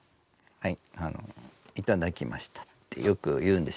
はい。